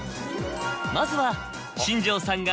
まずは新庄さんが。